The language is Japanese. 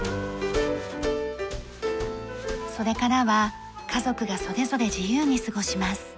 それからは家族がそれぞれ自由に過ごします。